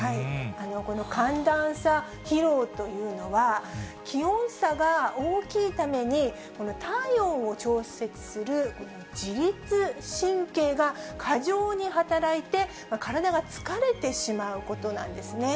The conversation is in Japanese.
この寒暖差疲労というのは、気温差が大きいために、体温を調節する自立神経が過剰に働いて、体が疲れてしまうことなんですね。